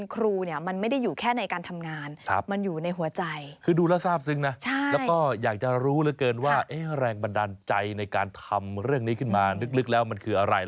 อ๋อคุณตาค่ะคุณตาสอนอยู่ชั้นอะไรวิชาอะไรค่ะตอนนี้